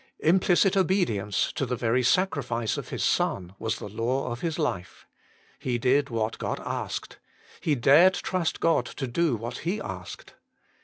Implicit obedience, to the very sacrifice of his son, was the law of his life. He did what God asked : he dared trust God to do what he asked.